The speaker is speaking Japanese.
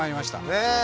ねえ！